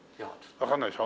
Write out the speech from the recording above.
わかんないでしょ？